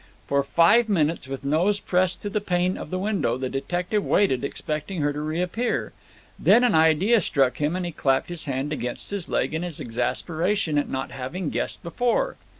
For five minutes, with nose pressed to the pane of the window, the detective waited, expecting her to reappear; then an idea struck him, and he clapped his hand against his leg in his exasperation at not having guessed before.